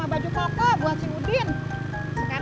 kan perlu pakai baju yang bagus kalau sholat ke masjid